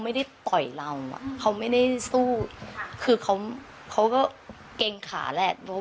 ไม่ได้ต่อยเราอ่ะเขาไม่ได้สู้คือเขาเขาก็เกรงขาแหละ